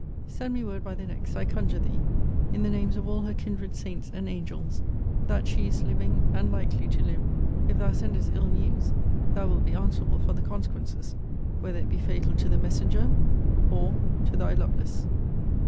Send me word by the next, I conjure thee, in the names of all her kindred saints and angels, that she is living, and likely to live! If thou sendest ill news, thou wilt be answerable for the consequences, whether it be fatal to the messenger, or to Thy LOVELACE.